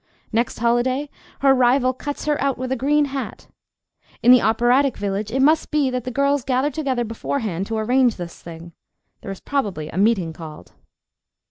Next holiday her rival cuts her out with a green hat. In the operatic village it must be that the girls gather together beforehand to arrange this thing. There is probably a meeting called.